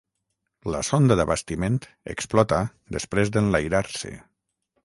La sonda d'abastiment explota després d'enlairar-se.